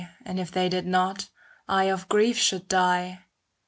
And if they did not, I of grief should die.